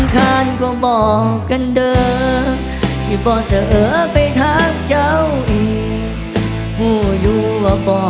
คุณตอดและคุณปูร้อง